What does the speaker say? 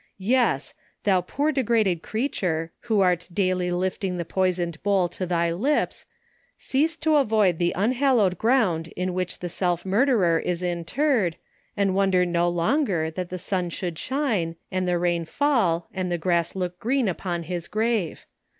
Yes, thou poor degraded creature, who ail daily lifting the poisoned bowl to thy lips, cease to avoid the unhallowed ground in which the self murderer is interred, and won der no longer that the sun should shine, and the rain fall, and the grass look green upon his grave.